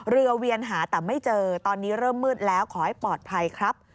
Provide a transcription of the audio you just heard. เวียนหาแต่ไม่เจอตอนนี้เริ่มมืดแล้วขอให้ปลอดภัยครับ